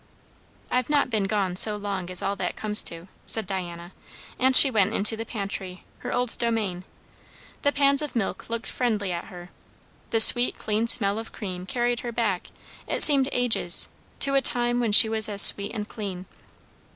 "I've not been gone so long as all that comes to," said Diana; and she went into the pantry, her old domain. The pans of milk looked friendly at her; the sweet clean smell of cream carried her back it seemed ages to a time when she was as sweet and clean.